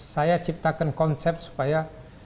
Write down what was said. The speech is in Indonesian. saya ciptakan konsep supaya